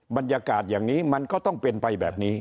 บรรยากาศอย่างนี้มันก็ต้องเป็นไปแบบนี้